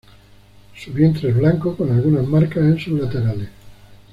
Su vientre es blanco, con algunas marcas en sus laterales.